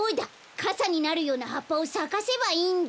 かさになるようなはっぱをさかせばいいんだ！